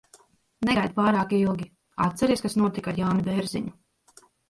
Negaidi pārāk ilgi. Atceries, kas notika ar Jāni Bērziņu?